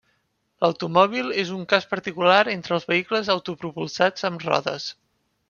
L'automòbil és un cas particular entre els vehicles autopropulsats amb rodes.